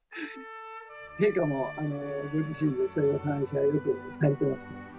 陛下もご自身でそういうお話はよくされています。